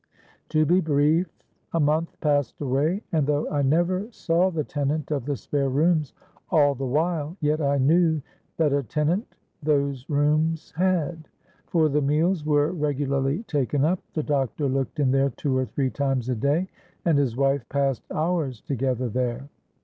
To be brief, a month passed away; and though I never saw the tenant of the spare rooms all the while, yet I knew that a tenant those rooms had; for the meals were regularly taken up—the doctor looked in there two or three times a day—and his wife passed hours together there.